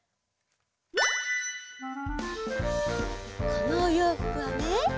このおようふくはね